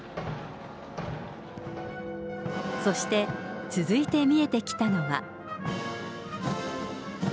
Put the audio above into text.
そして続いて見えてきたのは。